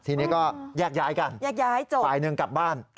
ทีนี้ก็แยกย้ายกันฝ่ายหนึ่งกลับบ้าน